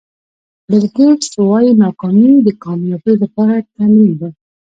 بیل ګېټس وایي ناکامي د کامیابۍ لپاره تمرین دی.